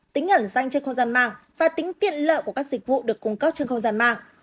tính ẩn danh trên không gian mạng và tính tiện lợi của các dịch vụ được cung cấp trên không gian mạng